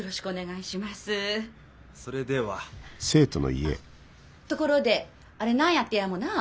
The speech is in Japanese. あっところであれなんやってやもなあ